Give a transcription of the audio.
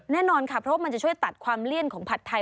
แน่นอนค่ะเพราะว่ามันจะช่วยตัดความเลี่ยนของผัดไทย